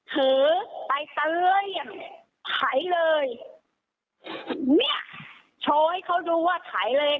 ถือไปเตยไขเลยเนี้ยโชว์ให้เขาดูว่าถ่ายเลย